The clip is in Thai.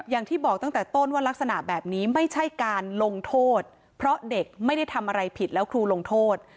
อย่างที่บอกตั้งแต่ต้นว่ารักษณะแบบนี้ไม่ใช่การลงโทษเพราะเด็กไม่ได้ทำอะไรผิดแล้วครูลงโทษ